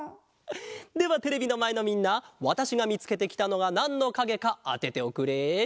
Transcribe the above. ではテレビのまえのみんなわたしがみつけてきたのがなんのかげかあてておくれ。